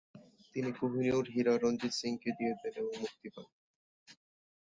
তিনি কোহিনুর হীরা রণজিৎ সিংকে দিয়ে দেন এবং মুক্তি পান।